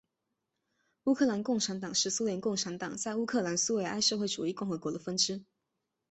乌克兰共产党是苏联共产党在乌克兰苏维埃社会主义共和国的分支。